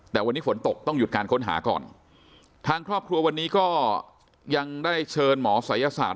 แต่วันนี้ฝนตกต้องหยุดการค้นหาก่อนทางครอบครัววันนี้ก็ยังได้เชิญหมอศัยศาสต